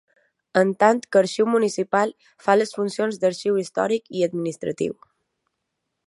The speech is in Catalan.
En tant que arxiu municipal fa les funcions d'arxiu històric i administratiu.